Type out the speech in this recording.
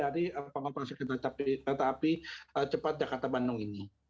dari pengoperasi kereta api cepat jakarta bandung ini